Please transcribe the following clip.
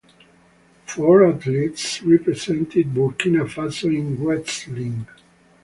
Four athletes represented Burkina Faso in wrestling.